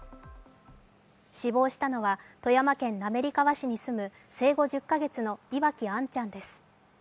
死亡したのは富山県滑川市に住む、生後１０か月の岩城杏ちゃんです。